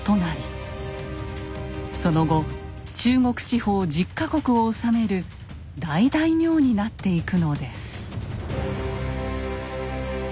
その後中国地方１０か国を治める大大名になっていくのです。